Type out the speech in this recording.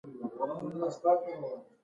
کږه درانه ده.